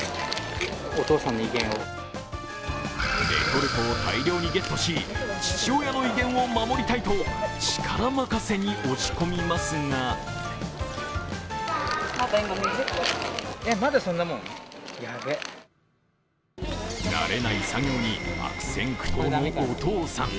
レトルトを大量にゲットし父親の威厳を守りたいと力任せに押し込みますが慣れない作業に悪戦苦闘のお父さん。